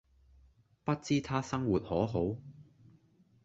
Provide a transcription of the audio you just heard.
不知他生活可好